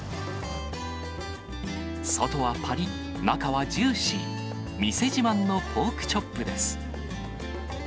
外はぱりっ、中はジューシー、店自慢のポークチョップです。